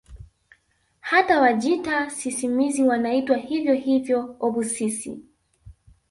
Hata Wajita sisimizi wanaitwa hivyo hivyo obhusisi